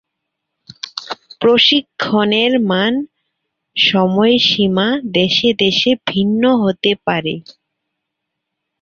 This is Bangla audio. প্রশিক্ষণের মান, সময়সীমা দেশে-দেশে ভিন্ন হতে পারে।